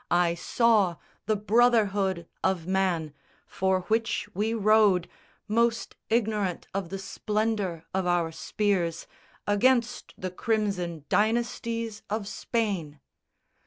I saw The brotherhood of man, for which we rode, Most ignorant of the splendour of our spears, Against the crimson dynasties of Spain.